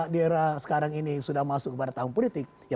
di era sekarang ini sudah masuk kepada tahun politik